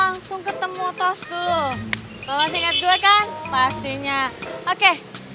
langsung ketemu tos dulu lo masih inget gue kan pastinya oke